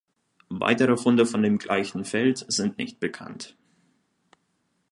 Weitere Funde von dem gleichen Feld sind nicht bekannt.